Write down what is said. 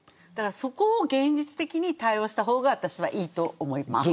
そこを現実的に対応した方が私はいいと思います。